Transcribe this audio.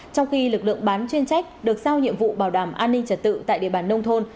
trong khi lực lượng bán chuyên trách được sao nhiệm vụ bảo đảm an ninh trật tự tại địa bàn nông thôn